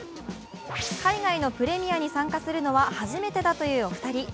海外のプレミアに参加するのは初めてだというお二人。